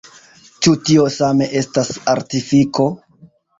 Ĉu tio same estas artifiko?